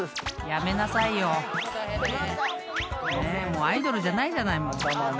［もうアイドルじゃないじゃない］